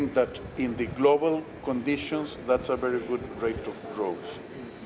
kita pikir dalam kondisi global itu adalah peningkatan ekonomi yang sangat baik